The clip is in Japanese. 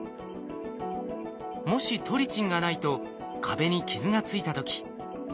もしトリチンがないと壁に傷がついた時ウイルスが侵入。